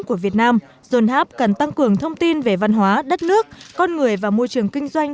của việt nam john happ cần tăng cường thông tin về văn hóa đất nước con người và môi trường kinh doanh